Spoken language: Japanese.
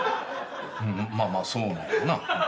まあまあそうなんやけどな。